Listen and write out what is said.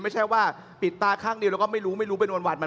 ไม่ใช่ว่าปิดตาข้างดีแล้วก็ไม่รู้ไม่รู้เป็นวันมันไม่ได้ครับ